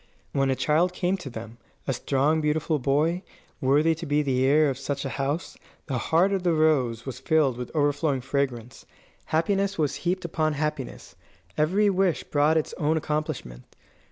When a child came to them, a strong, beautiful boy, worthy to be the heir of such a house, the heart of the rose was filled with overflowing fragrance. Happiness was heaped upon happiness. Every wish brought its own accomplishment.